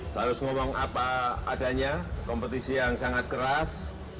seharusnya ngomong apa adanya kompetisi yang sangat keras